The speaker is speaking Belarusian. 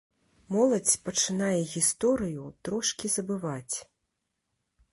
Моладзь пачынае гісторыю трошкі забываць.